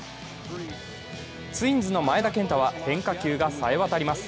ツインズの前田健太は変化球が冴えわたります。